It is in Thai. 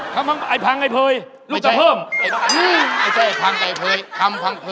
กิ้งกาได้ทอง